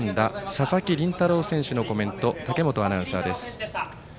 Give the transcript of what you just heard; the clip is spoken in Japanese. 佐々木麟太郎選手のコメント武本アナウンサーです。